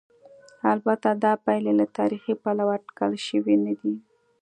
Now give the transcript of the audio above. البته دا پایلې له تاریخي پلوه اټکل شوې نه دي.